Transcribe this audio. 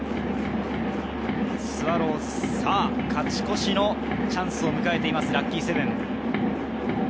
スワローズ、勝ち越しのチャンスを迎えています、ラッキーセブン。